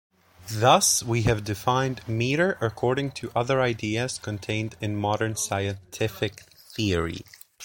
Thus we have defined 'metre' according to other ideas contained in modern scientific theory.